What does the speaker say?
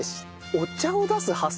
お茶を出す発想